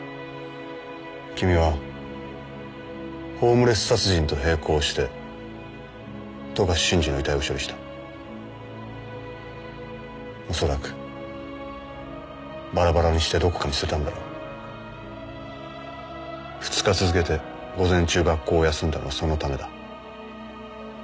君はホームレス殺人と並行して富樫慎二の遺体を処理した恐らくバラバラにしてどこかに捨てたんだろう２日続けて午前中学校を休んだのはそのためだ